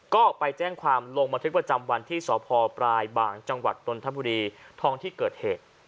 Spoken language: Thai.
ก็ไปแจ้งความลงบันทึกประจำวันที่สพปลายบางจังหวัดนนทบุรีทองที่เกิดเหตุ